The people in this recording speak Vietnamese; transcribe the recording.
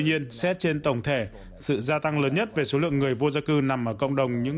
nhiên xét trên tổng thể sự gia tăng lớn nhất về số lượng người vô gia cư nằm ở cộng đồng những